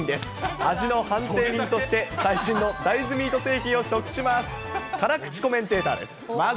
味の判定人として、最新の大豆ミート製品を食します。